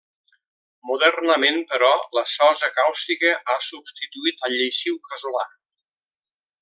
Modernament, però, la sosa càustica ha substituït al lleixiu casolà.